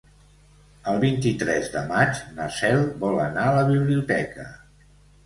El vint-i-tres de maig na Cel vol anar a la biblioteca.